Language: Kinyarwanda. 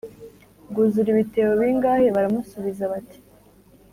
bwuzura ibitebo bingahe Baramusubiza bati